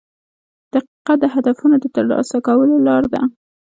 • دقیقه د هدفونو د ترلاسه کولو لار ده.